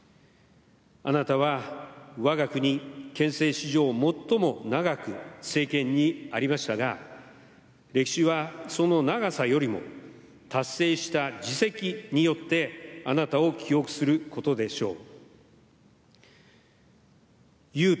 あなたは我が国憲政史上最も長く政権にありましたが歴史はその長さよりも達成した事績によってあなたを記憶することでしょう。